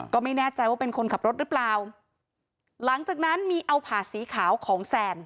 ก็ไม่แน่ใจว่าเป็นคนขับรถหรือเปล่าหลังจากนั้นมีเอาผ่าสีขาวของแซน